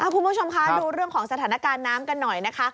คุณผู้ชมคะดูเรื่องของสถานการณ์น้ำกันหน่อยนะคะ